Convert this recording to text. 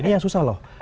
ini yang susah loh